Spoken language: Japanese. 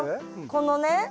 このね